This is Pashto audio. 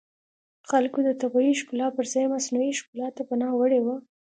خلکو د طبیعي ښکلا پرځای مصنوعي ښکلا ته پناه وړې وه